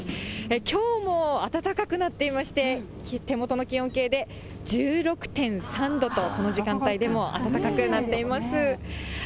きょうも暖かくなっていまして、手元の気温計で１６．３度と、この時間帯でも暖かくなっています。